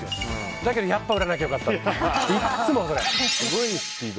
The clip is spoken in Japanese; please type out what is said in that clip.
だけどやっぱ売らなきゃ良かったって。